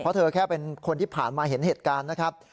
เพราะเธอแค่เป็นคนที่ผ่านมาเห็นเหตุการณ์นะครับ